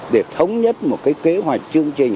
để thống nhất một kế hoạch chương trình